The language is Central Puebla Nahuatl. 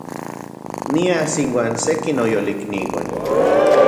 Nias inuan seki noyolikniuan